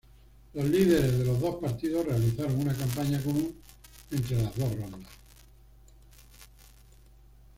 Los líderes de los dos partidos realizaron una campaña común entre las dos rondas.